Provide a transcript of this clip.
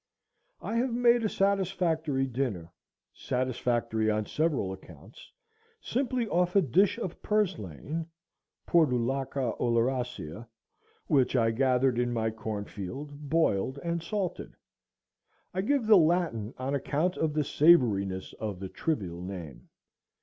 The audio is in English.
I have made a satisfactory dinner, satisfactory on several accounts, simply off a dish of purslane (Portulaca oleracea) which I gathered in my cornfield, boiled and salted. I give the Latin on account of the savoriness of the trivial name.